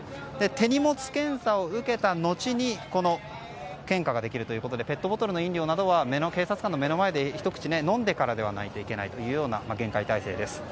手荷物検査を受けたのちに献花ができるということでペットボトルの飲料などは警察官の目の前でひと口飲んでからではないといけないという厳戒態勢です。